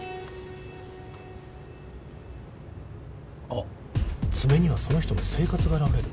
あっ爪にはその人の生活があらわれる。